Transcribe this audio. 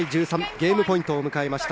ゲームポイントを迎えました。